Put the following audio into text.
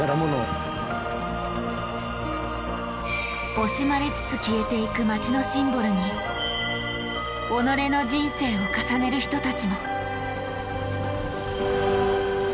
惜しまれつつ消えていく街のシンボルに己の人生を重ねる人たちも。